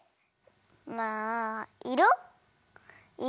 まあいろ。